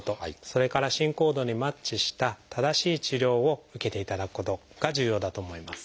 それから進行度にマッチした正しい治療を受けていただくことが重要だと思います。